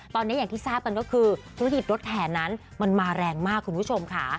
ตอนนี้อย่างที่ทราบกันก็คือธุรกิจรถแห่นั้นมันมาแรงมากคุณผู้ชมค่ะ